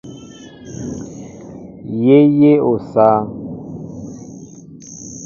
Yé yéʼ osááŋ.